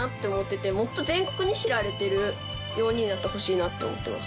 もっと全国に知られるようになってほしいなって思ってます。